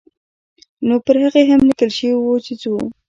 نو پر هغې هم لیکل شوي وو چې ځو.